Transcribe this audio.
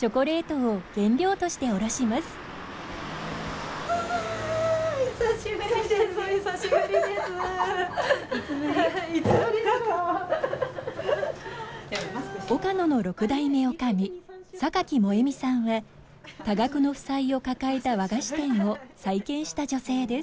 「をかの」の六代目女将萌美さんは多額の負債を抱えた和菓子店を再建した女性です。